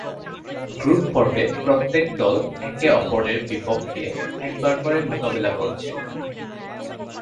Group পর্বে প্রত্যেক দল একে-অপরের বিপক্ষে একবার করে মোকাবেলা করছে।